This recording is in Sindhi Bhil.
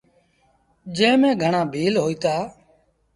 جݩهݩ ميݩ گھڻآ ڀيٚل هوئيٚتآ۔